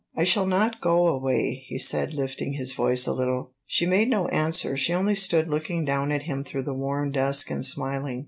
"I shall not go away," he said, lifting his voice a little. She made no answer; she only stood looking down at him through the warm dusk and smiling.